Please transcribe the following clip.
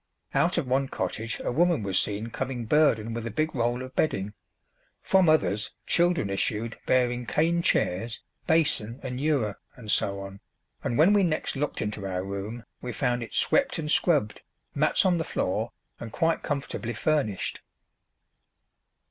Out of one cottage a woman was seen coming burdened with a big roll of bedding; from others children issued bearing cane chairs, basin and ewer, and so on, and when we next looked into our room we found it swept and scrubbed, mats on the floor, and quite comfortably furnished.